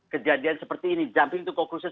kejadian seperti ini jumping to conclusion